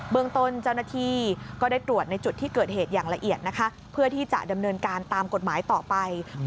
เบื้องตนเจ้าหน้าที่ก็ได้ตรวจในจุดที่เกิดเหตุอย่างละเอียดนะคะ